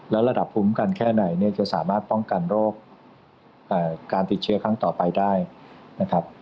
และระดับภูมิกันแค่ไหนเนี่ยจะสามารถป้องกันโรคการติดเชื้อครั้งต่อไปได้นะครับ